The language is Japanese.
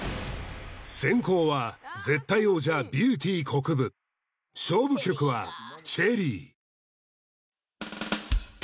先攻は絶対王者ビューティーこくぶ勝負曲は「チェリー」